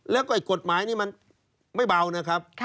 แล้วก็ไอ้กฎหมายนี่มันไม่เบานะครับ